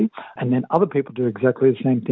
dan kemudian orang lain melakukan hal yang sama